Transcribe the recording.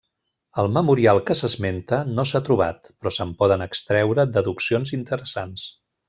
El memorial que s’esmenta no s’ha trobat, però se’n poden extreure deduccions interessants.